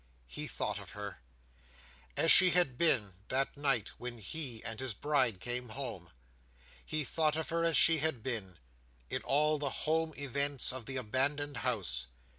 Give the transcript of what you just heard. He thought of her, as she had been that night when he and his bride came home. He thought of her as she had been, in all the home events of the abandoned house.